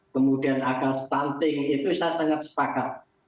kemudian akal stunting itu saya sangat sepakat